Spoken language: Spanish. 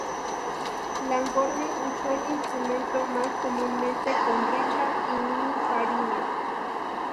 Langhorne usó el instrumento más comúnmente con Richard y Mimi Fariña.